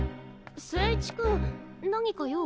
誠一君何か用？